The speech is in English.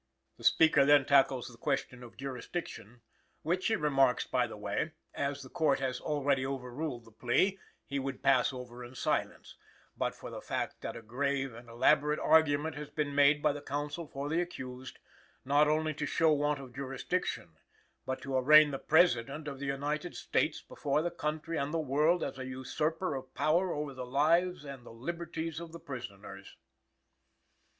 The speaker then tackles the question of jurisdiction, which, he remarks by the way, "as the Court has already overruled the plea," he would pass over in silence, "but for the fact that a grave and elaborate argument has been made by the counsel for the accused, not only to show want of jurisdiction, but to arraign the President of the United States before the country and the world as a usurper of power over the lives and the liberties of the prisoners."